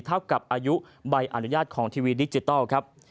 เท่ากับอายุใบอนุญาตของทีวีดิจิทัลครับ